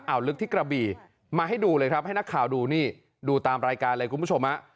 เอาลึกที่กระบี่มาให้ดูเลยครับให้นักข่าวดูนี่ดูตามรายการเลยคุณผู้ชมฮะ